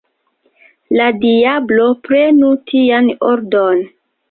La diablo prenu tian ordon!